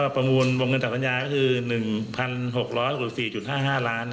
ประมูลพงธ์เงินต่อสัญญา๑๖๖๔๕๕ล้านบาท